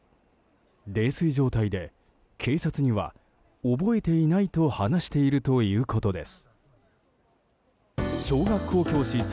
泥酔状態で警察には、覚えていないと話しているということです。